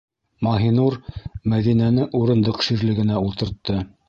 - Маһинур Мәҙинәне урындыҡ ширлегенә ултыртты.